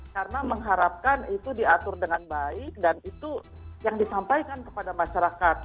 karena mengharapkan itu diatur dengan baik dan itu yang disampaikan kepada masyarakat